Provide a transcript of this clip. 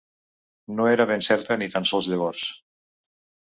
No era ben certa ni tan sols llavors